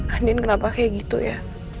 handian kenapa kayak gitu ya